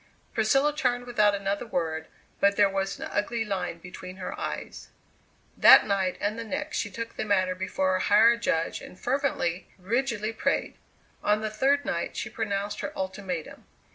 Priscilla turned without another word, but there was an ugly line between her eyes. That night and the next she took the matter before a higher judge, and fervently, rigidly prayed. On the third night she pronounced her ultimatum.